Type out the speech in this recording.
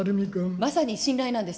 まさに信頼なんです。